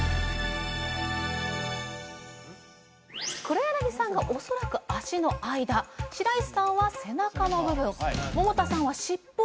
黒柳さんが恐らく足の間白石さんは背中の部分百田さんはしっぽ